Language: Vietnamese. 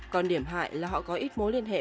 còn điểm hại là họ có ít mối liên hệ